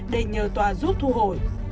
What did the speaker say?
để nhờ tòa giúp thu hồi